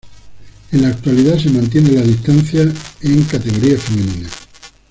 En la actualidad se mantiene la distancia en los en categoría femenina.